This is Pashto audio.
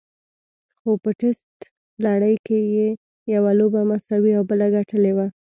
خو په ټېسټ لړۍ کې یې یوه لوبه مساوي او بله ګټلې وه.